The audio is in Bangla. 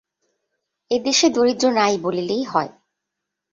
এ দেশে দরিদ্র নাই বলিলেই হয়।